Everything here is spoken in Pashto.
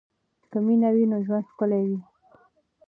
که مینه وي نو ژوند ښکلی وي.